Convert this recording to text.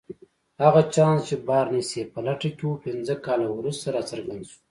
هغه چانس چې بارنس يې په لټه کې و پنځه کاله وروسته راڅرګند شو.